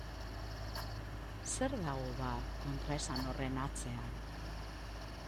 Zer dago, bada, kontraesan horren atzean?